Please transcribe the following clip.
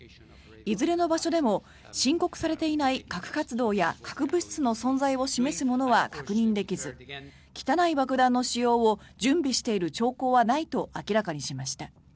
いずれの場所でも申告されていない核活動や核物質の存在を示すものは確認できず汚い爆弾の使用を準備している兆候はないと明らかにしました。